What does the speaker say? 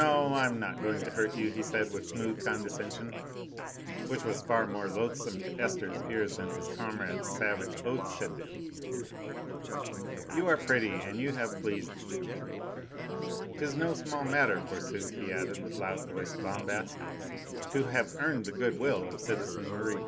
I am not going to hurt you," he said with smooth condescension, which was far more loathsome to Esther's ears than his comrades' savage oaths had been. "You are pretty and you have pleased me. 'Tis no small matter, forsooth!" he added, with loud voiced bombast, "to have earned the good will of citizen Merri.